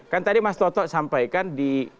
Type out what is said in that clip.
kan tadi mas toto sampaikan di